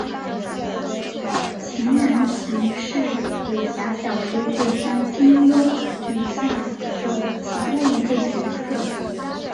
秦南琴是武侠小说作家金庸笔下的其中一个角色。